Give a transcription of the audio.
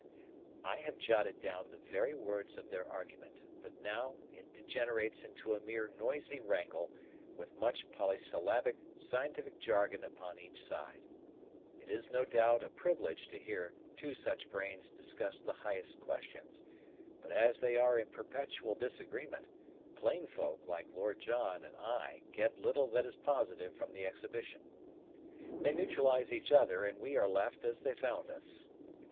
I have jotted down the very words of their argument, but now it degenerates into a mere noisy wrangle with much polysyllabic scientific jargon upon each side. It is no doubt a privilege to hear two such brains discuss the highest questions; but as they are in perpetual disagreement, plain folk like Lord John and I get little that is positive from the exhibition. They neutralize each other and we are left as they found us.